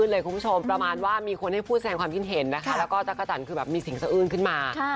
แล้วก็จักรจันทร์คือแบบมีสิ่งสอื่นขึ้นมา